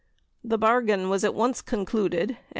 The bargain was at once concluded, and M.